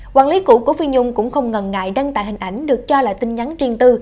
quản lý cũ của phi nhung cũng không ngần ngại đăng tải hình ảnh được cho là tin nhắn riêng tư